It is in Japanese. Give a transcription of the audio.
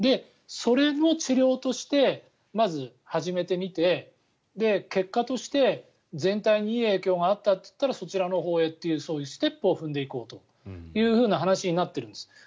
その治療としてまず始めてみて結果として全体にいい影響があったらそちらのほうへというステップを踏んでいこうという話になってるんです。